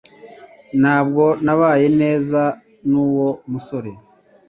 Ntabwo nabanye neza nuwo musore